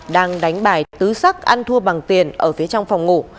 đang đánh bài tứ sắc ăn thua bằng tiền ở phía trong phòng ngủ